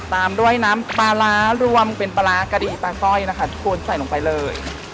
ตามด้วยน้ำปลาร้ารวมเป็นปลาร้ากะดีปลาสร้อยนะคะทุกคนใส่ลงไปเลย